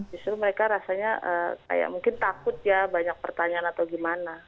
justru mereka rasanya kayak mungkin takut ya banyak pertanyaan atau gimana